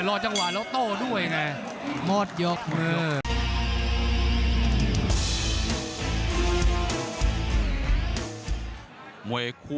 รอจังหวัดและโต้ด้วยแน่